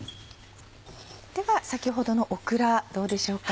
では先ほどのオクラどうでしょうか？